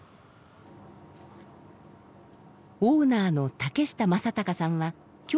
オーナーの竹下昌孝さんは京都出身。